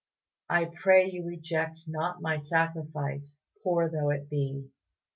I pray you reject not my sacrifice, poor though it be."